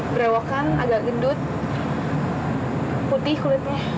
berewokan agak gendut putih kulitnya